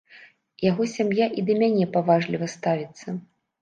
Яго сям'я і да мяне паважліва ставіцца.